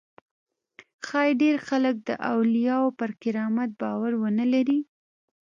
ښایي ډېر خلک د اولیاوو پر کرامت باور ونه لري.